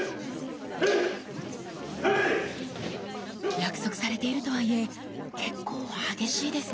約束されているとはいえ結構激しいですね。